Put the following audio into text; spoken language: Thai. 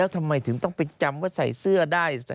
ทำไมถึงต้องไปจำว่าใส่เสื้อได้